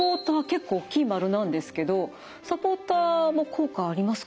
結構大きい丸なんですけどサポーターも効果ありますか？